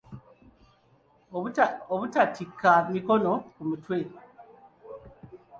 Obutatikka mikono ku mutwe.